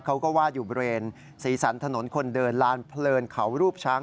เขาก็วาดอยู่บริเวณสีสันถนนคนเดินลานเพลินเขารูปช้าง